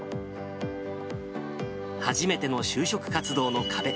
初めての就職活動の壁。